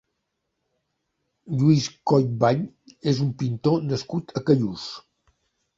Lluis Coll Vall és un pintor nascut a Callús.